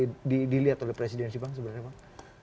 udah dilihat oleh presiden sibang sebenarnya bang